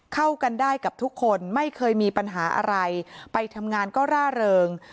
เข้ากันได้กับทุกคนไม่เคยมีปัญหาอะไรไปทำงานก็ร่าเริง